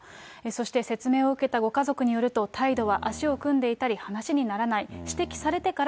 そして説明を受けたご家族によると、態度は足を組んでいたり、話にならない。